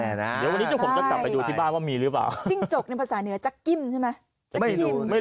เดี๋ยววันนี้ผมก็จะจับไปดูที่บ้านว่ามีหรือไม่